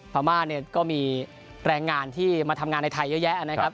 พม่าเนี่ยก็มีแรงงานที่มาทำงานในไทยเยอะแยะนะครับ